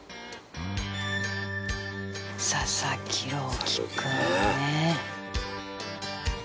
「佐々木朗希君ね」